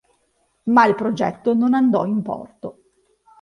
Ma il progetto non andò in porto.